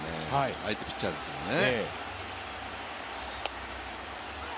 相手ピッチャーですよね。